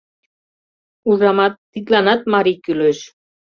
— Ужамат, тидланат марий кӱлеш».